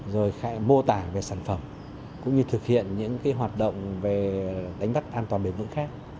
rồi mô tả về sản phẩm cũng như thực hiện những hoạt động về đánh bắt an toàn bền vững khác